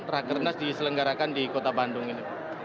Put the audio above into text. rakernas diselenggarakan di kota bandung ini